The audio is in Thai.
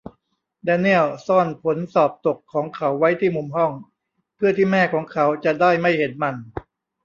แดเนียลซ่อนผลสอบตกของเขาไว้ที่มุมห้อง เพื่อที่แม่ของเขาจะได้ไม่เห็นมัน